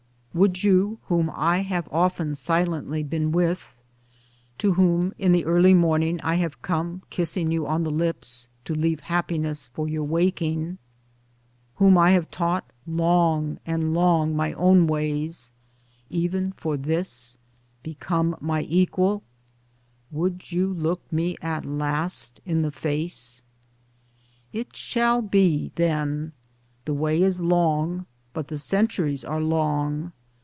] Would you, whom I have often silently been with, to whom in the early morning I have come kissing you on the lips to leave Happiness for your waking, whom I have taught long and long my own ways, even for this — become my Equal? would you look me at last in the face? It shall be then. The way is long but the centuries are long.